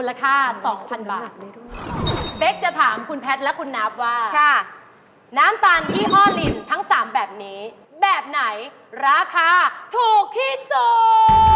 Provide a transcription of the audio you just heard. แล้วแพทย์แล้วคุณนาภว่าน้ำตาลอี้อ้อลินทั้ง๓แบบนี้แบบไหนราคาถูกที่สุด